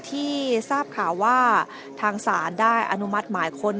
ที่ทราบข่าวว่าทางศาลได้อนุมัติหมายค้น